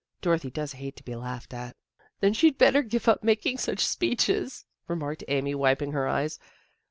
Dorothy does hate to be laughed at." " Then she'd better give up making such speeches," remarked Amy, wiping her eyes.